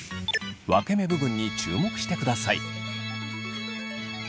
分け目部分に注目してください。